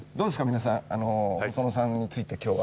皆さん細野さんについて今日は。